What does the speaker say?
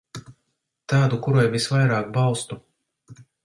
Tādu, kurai visvairāk balstu.